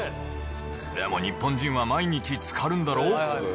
でも日本人は毎日つかるんだろ？